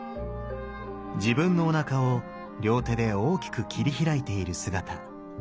自分のおなかを両手で大きく切り開いている姿。